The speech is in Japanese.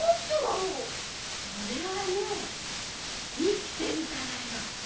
それはねいきてるからよ。